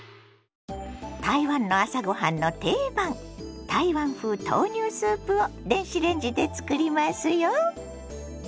台湾の朝ごはんの定番台湾風豆乳スープを電子レンジで作りますよ。